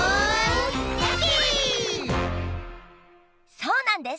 そうなんです！